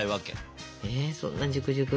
えそんなジュクジュク？